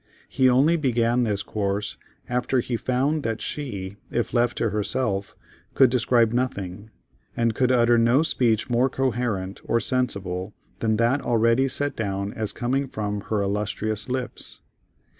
He only began this course after he found that she, if left to herself, could describe nothing, and could utter no speech more coherent or sensible than that already set down as coming from her illustrious lips.